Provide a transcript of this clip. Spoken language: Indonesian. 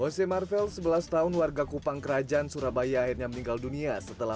jose marvel sebelas tahun warga kupang kerajaan surabaya akhirnya meninggal dunia setelah